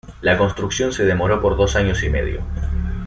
La construcción se demoró por dos años y medio.